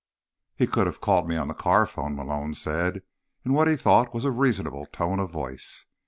"He could have called me on the car phone," Malone said in what he thought was a reasonable tone of voice.